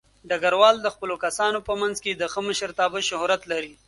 ډګروال د خپلو کسانو په منځ کې د ښه مشرتابه شهرت لري.